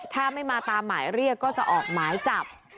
ถ้าไม่มาตามหมายเรียกก็จะออกหมายจับ